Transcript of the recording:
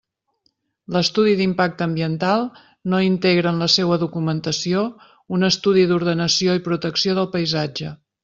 L'estudi d'impacte ambiental no integra en la seua documentació un estudi d'ordenació i protecció del paisatge.